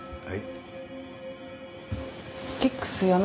はい。